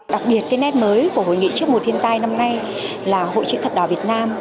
đặc biệt cái nét mới của hội nghị trước mùa thiên tai năm nay là hội chữ thập đỏ việt nam